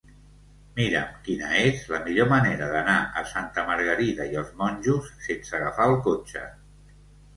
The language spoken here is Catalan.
Mira'm quina és la millor manera d'anar a Santa Margarida i els Monjos sense agafar el cotxe.